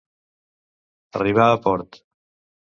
Arribar a port.